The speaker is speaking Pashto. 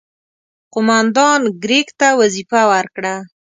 قوماندان کرېګ ته وظیفه ورکړه.